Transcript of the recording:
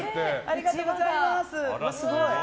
ありがとうございます！